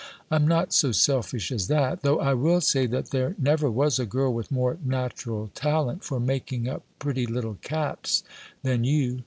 I'm not so selfish as that; though I will say that there never was a girl with more natural talent for making up pretty little caps than you.